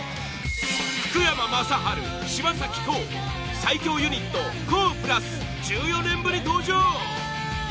福山雅治、柴咲コウ最強ユニットＫＯＨ＋１４年ぶり登場！